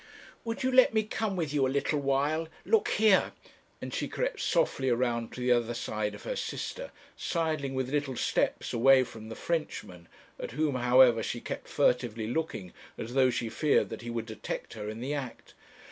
'Would you let me come with you a little while! Look here' and she crept softly around to the other side of her sister, sidling with little steps away from the Frenchman, at whom, however, she kept furtively looking, as though she feared that he would detect her in the act.